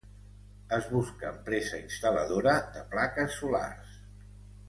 Es busca empresa instal·ladora de plaques solars.